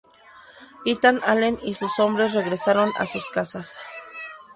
Ethan Allen y sus hombres regresaron a sus casas.